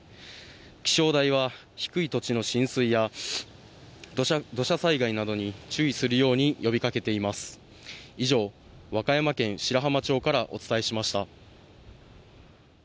気象台は低い土地の浸水や土砂災害などに注意するように呼びかけています。